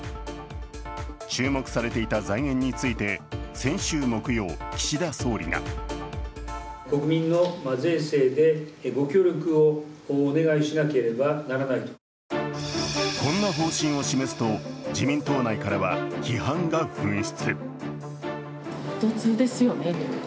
注目されていた財源について先週木曜、岸田総理がこんな方針を示すと自民党内からは批判が噴出。